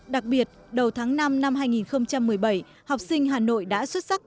đặc biệt đầu tháng năm năm hai nghìn một mươi bảy học sinh hà nội đã xuất sắc